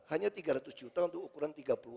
hanya tiga ratus juta untuk ukuran tiga puluh